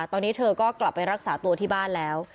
ตอนนี้เธอก็กลับไปรักษาตัวที่บ้านแล้ว